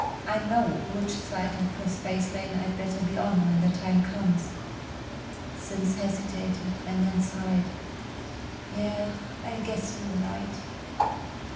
I know which side of the space lane I'd better be on when the time comes!" Simms hesitated and then sighed, "Yeah, I guess you're right."